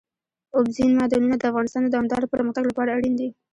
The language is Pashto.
اوبزین معدنونه د افغانستان د دوامداره پرمختګ لپاره اړین دي.